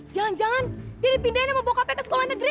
jangan jangan dia dipindahin sama bokapnya ke sekolah negeri